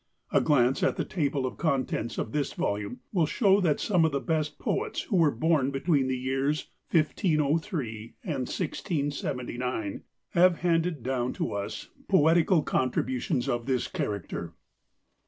A glance at the Table of Contents of this volume will show that some of the best poets who were born between the years 1503 and 1679 have handed down to us poetical contributions of this character.